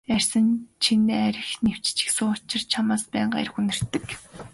Арьсанд чинь архи нэвччихсэн учир чамаас байнга архи үнэртдэг.